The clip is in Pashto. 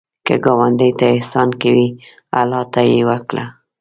که ګاونډي ته احسان کوې، الله ته یې وکړه